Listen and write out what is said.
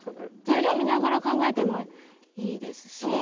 材料見ながら考えてもいいですし。